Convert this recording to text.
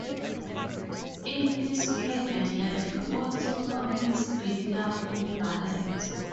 In his private life he also found his great love in ballet.